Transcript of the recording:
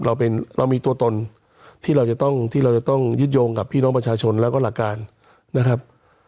เรามีตัวตนที่เราจะต้องที่เราจะต้องยึดโยงกับพี่น้องประชาชนแล้วก็หลักการนะครับ